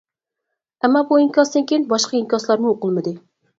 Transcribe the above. ئەمما بۇ ئىنكاستىن كېيىن باشقا ئىنكاسلارمۇ ئوقۇلمىدى.